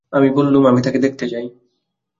আমি বললুম, আমি তাকে দেখতে চাই।